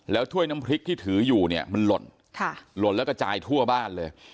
ถ้วยน้ำพริกที่ถืออยู่เนี่ยมันหล่นหล่นแล้วกระจายทั่วบ้านเลย